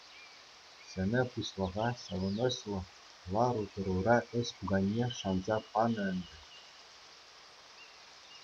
Ҫӗнӗ пуҫлӑха савӑнӑҫлӑ лару-тӑрура ӗҫ пуканне шанса панӑ ӗнтӗ.